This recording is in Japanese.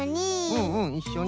うんうんいっしょに。